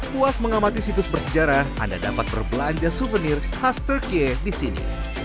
puas mengamati situs bersejarah anda dapat berbelanja souvenir khas turkiye di sini